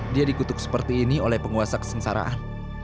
dia dikutuk seperti ini oleh penguasa kesengsaraan